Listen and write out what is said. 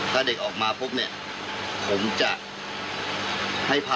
ถ้าเด็กออกมาปุ๊บเนี่ยผมจะให้พระ